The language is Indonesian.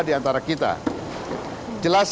di antara kita jelas